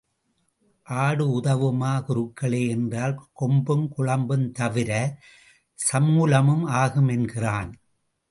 ஆடு உதவுமா குருக்களே என்றால், கொம்பும் குளம்பும் தவிரச் சமூலமும் ஆகும் என்கிறான்.